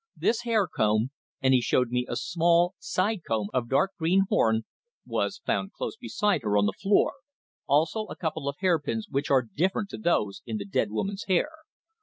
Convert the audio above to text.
This hair comb" and he showed me a small side comb of dark green horn "was found close beside her on the floor. Also a couple of hair pins, which are different to those in the dead woman's hair.